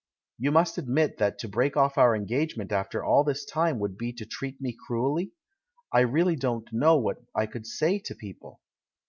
You must admit that to break off our engagement after all this time would be to treat me cruelly? I really don't know what I could say to people!"